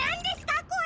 これ！